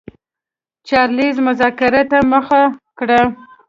چارلېز مذاکرې ته مخه کړه.